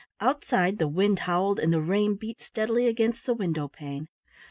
Outside the wind howled and the rain beat steadily against the window pane.